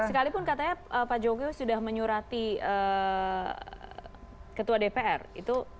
sekalipun katanya pak jokowi sudah menyurati ketua dpr itu masih tingkat apa itu